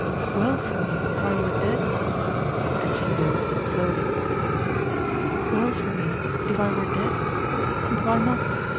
'Well for me if I were dead?' And she rose slowly. 'Well for me if I were dead? And why not?